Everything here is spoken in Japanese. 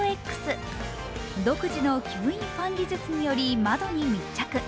独自の吸引ファン技術によって窓に密着。